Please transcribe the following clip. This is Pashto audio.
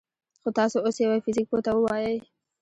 خو تاسو اوس يوه فزيك پوه ته ووايئ: